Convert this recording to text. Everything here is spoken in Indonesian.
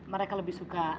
mereka lebih suka